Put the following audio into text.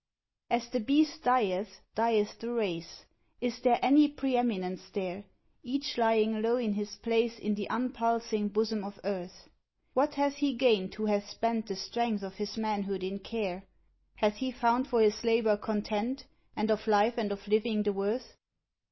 As the beast dieth, dieth the race, — is there any pre eminence there — Each lying low in his place in the impulsing bosom of earth ?— What hath he gained who hath spent the strength of his manhood in care, — Hath he found for his labour content, and of life and of living the worth